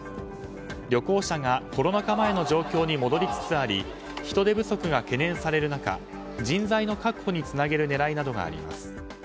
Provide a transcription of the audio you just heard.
旅行者がコロナ禍前の状況に戻りつつあり人手不足が懸念される中人材の確保につなげる狙いなどがあります。